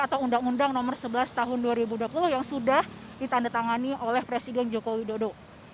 atau undang undang nomor sebelas tahun dua ribu dua puluh yang sudah ditandatangani oleh presiden joko widodo